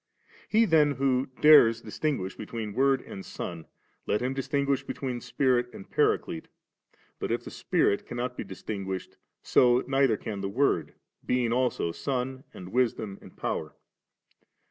He then who dares distinguish between Word and Son, let him distinguish between Spirit and Paraclete ; but if the Spirit cannot be distinguished, so neither can the Word, being also Son and Wisdom and Power.